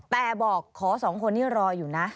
แต่บอกขอสองคนนี้รออยู่นะ